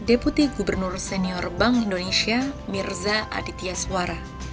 deputi gubernur senior bank indonesia mirza aditya suara